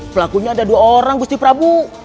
pelakunya ada dua orang gusti prabu